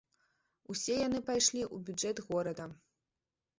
Усе яны пайшлі ў бюджэт горада.